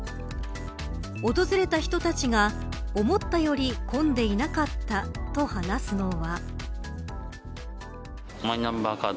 訪れた人たちが思ったより混んでいなかったと話すのは。